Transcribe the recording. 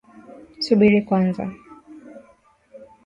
Subiri kwanza